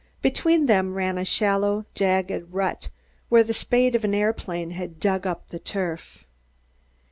Between them ran a shallow, jagged rut, where the spade of an aeroplane had dug up the turf.